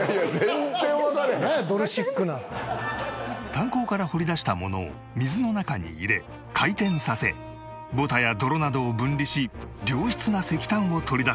炭鉱から掘り出したものを水の中に入れ回転させボタや泥などを分離し良質な石炭を取り出すのだ